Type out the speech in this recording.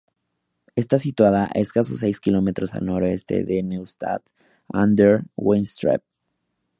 Está situada a escasos seis kilómetros al noroeste de Neustadt an der Weinstraße.